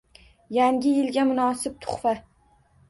Yangi yilga munosib tuhfa